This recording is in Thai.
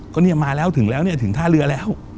ก็เนี่ยมาแล้วถึงแล้วเนี่ยถึงท่าเรือแล้ว